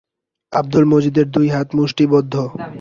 আব্দুল মজিদের দু হাত মুঠিবন্ধ।